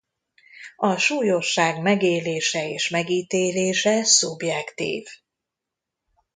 A súlyosság megélése és megítélése szubjektív.